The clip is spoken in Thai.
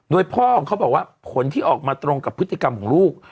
โดยพ่อของเขาบอกว่าผลที่ออกมาตรงกับพฤติกรรมของลูก